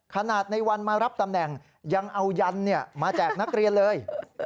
ในวันมารับตำแหน่งยังเอายันมาแจกนักเรียนเลย